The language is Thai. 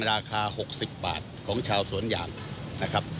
ราคา๖๐บาทของชาวสวนยางนะครับ